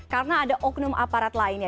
karena ada oknum aparat lainnya